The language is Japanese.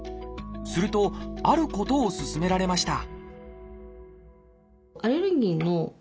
するとあることを勧められました